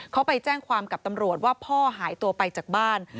เขาไปแจ้งความกับตำรวจว่าพ่อหายตัวไปจากบ้าน